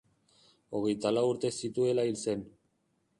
Hogeita lau urte zituela hil zen.